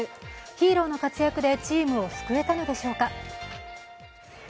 ヒーローの活躍でチームを救えたのでしょうか。